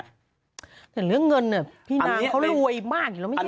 แต่เรื่องเงินเนี้ยพี่นางเขารวยมากอีกแล้วไม่ใช่หรอ